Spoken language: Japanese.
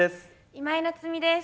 今井菜津美です。